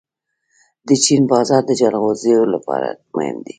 د چین بازار د جلغوزیو لپاره مهم دی.